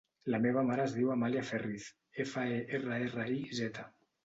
La meva mare es diu Amàlia Ferriz: efa, e, erra, erra, i, zeta.